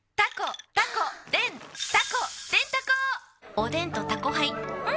おでんと「タコハイ」ん！